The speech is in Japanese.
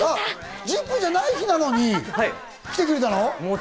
『ＺＩＰ！』じゃない日なのに来てくれたの？